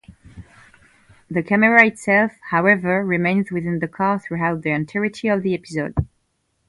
The camera itself, however, remains within the car throughout the entirety of the episode.